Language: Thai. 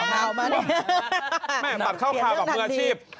แม่งมาเข้าภาพกับมืออาชีพ